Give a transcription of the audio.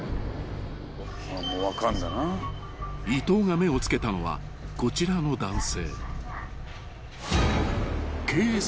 ［伊東が目を付けたのはこちらの男性］